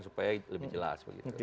supaya lebih jelas